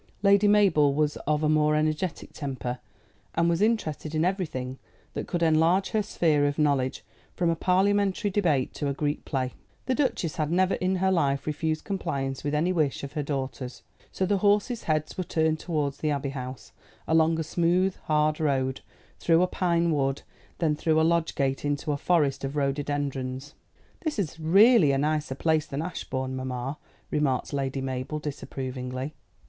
Lady Mabel was of a more energetic temper, and was interested in everything that could enlarge her sphere of knowledge, from a parliamentary debate to a Greek play. The Duchess had never in her life refused compliance with any wish of her daughter's, so the horses' heads were turned towards the Abbey House, along a smooth hard road through a pine wood, then through a lodge gate into a forest of rhododendrons. "This is really a nicer place than Ashbourne, mamma," remarked Lady Mabel disapprovingly.